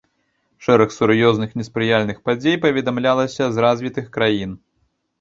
Шэраг сур'ёзных неспрыяльных падзей паведамлялася з развітых краін.